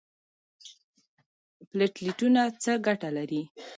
پلیټلیټونه څه ګټه لري؟